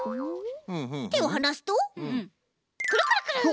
てをはなすとクルクルクルッ！